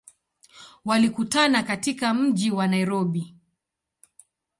Walikutana katika mji wa Nairobi.